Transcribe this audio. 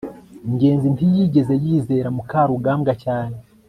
ngenzi ntiyigeze yizera mukarugambwa cyane